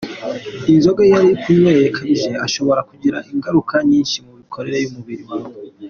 Inzoga iyo uyinyweye akabije ashobora kugira ingaruka nyinshi mu mikorere y’umubiri wabo.